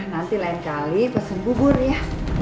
nanti lain kali pesen bubur ya